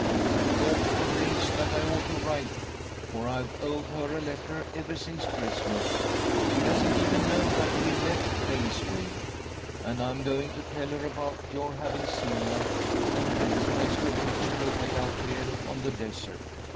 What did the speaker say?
I've thought for days that I ought to write, for I've owed her a letter ever since Christmas. She doesn't even know that we've left Plainsville. And I'm going to tell her about your having seen her, and recognized her picture away out here on the desert.